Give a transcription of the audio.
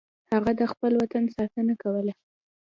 هغه د خپل وطن ساتنه کوله.